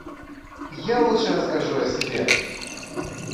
Я лучше расскажу о себе.